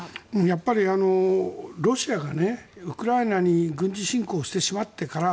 やっぱりロシアがウクライナに軍事侵攻してしまってから